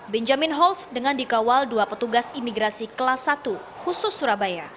benjamin holtz dengan dikawal dua petugas imigrasi kelas satu khusus surabaya